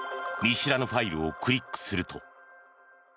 見知らぬファイルをクリックすると。